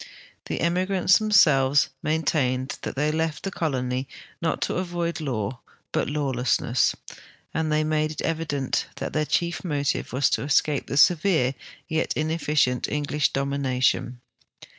The emigrants themselves maintained that the}' left the colony not to avoid law, but lawlessness, and they made it evident that their chief motive was to escai)e the .severe yet ineflicient English dom ination.